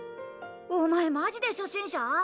お前マジで初心者？